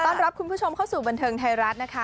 รับคุณผู้ชมเข้าสู่บันเทิงไทยรัฐนะคะ